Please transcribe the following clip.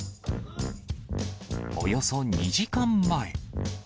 およそ２時間前。